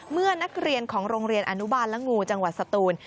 เมื่อนักเรียนของโรงเรียนอนุบาลละงูจังหวัดสตูน